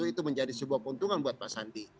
itu menjadi sebuah keuntungan buat pak sandi